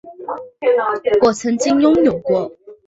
我曾经拥有过